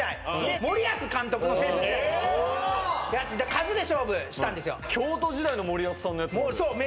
数で勝負したんですよ。